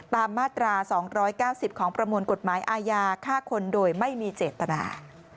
ตามมาตรา๒๙๐ของประมวลกฎหมายอาญาฆ่าคนโดยไม่มีเจตนา